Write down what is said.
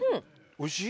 おいしい？